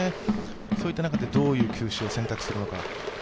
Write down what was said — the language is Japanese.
そういった中でどういう球種を選択するか。